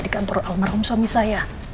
di kantor almarhum suami saya